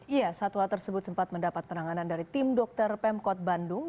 iya satwa tersebut sempat mendapat penanganan dari tim dokter pemkot bandung